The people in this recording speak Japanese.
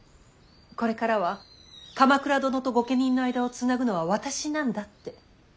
これからは鎌倉殿と御家人の間を繋ぐのは私なんだって。